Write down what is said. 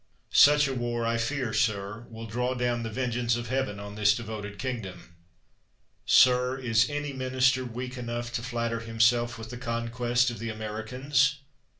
Such a war, I tear, sir, will draw down the vengeance of Heaven on this devoted kingdom. Sir, is any minister weak enough to flatter himself with the conquest of the Americans?